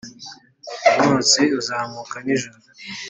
umwotsi uzamuka nijoro.